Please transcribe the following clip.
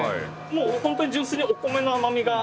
もう本当に純粋にお米の甘みが。